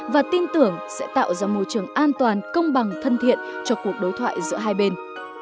và tin tưởng sẽ tạo ra môi trường an toàn công bằng thân thiện cho cuộc đối thoại giữa hai bên